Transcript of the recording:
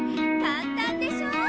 簡単でしょ？